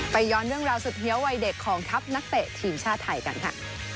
ย้อนเรื่องราวสุดเฮียวัยเด็กของทัพนักเตะทีมชาติไทยกันค่ะ